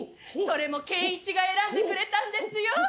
それも賢一が選んでくれたんですよ。